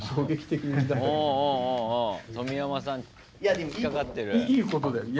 冨山さん引っ掛かってる。